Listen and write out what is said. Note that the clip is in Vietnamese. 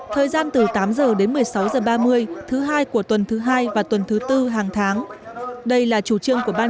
thời gian từ tám h đến một mươi sáu h ba mươi thứ hai của tuần thứ hai và tuần thứ tư hàng tháng đây là chủ trương của ban